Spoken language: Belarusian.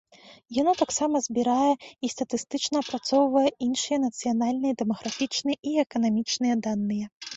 Яно таксама збірае і статыстычна апрацоўвае іншыя нацыянальныя дэмаграфічныя і эканамічныя даныя.